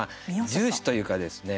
重視というかですね